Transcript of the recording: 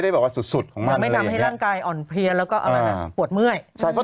เพราะเชื้อยังไม่ฟักตัว